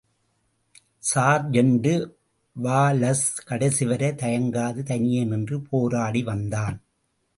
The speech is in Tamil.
சார்ஜெண்டு வாலஸ் கடைசிவரை தயங்காது தனியே நின்று போராடி வந்தான்.